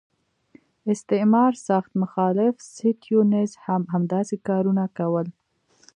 استعمار سخت مخالف سټیونز هم همداسې کارونه کول.